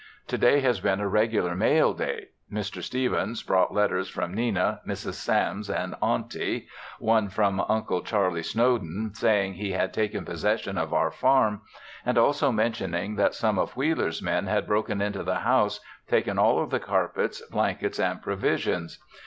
To day has been a regular mail day. Mr. Stevens brought letters from Nina, Mrs. Sams and Auntie, one from Uncle Charlie Snowden saying he had taken possession of our farm, and also mentioning that some of Wheeler's men had broken into the house, taken all of the carpets, blankets and provisions.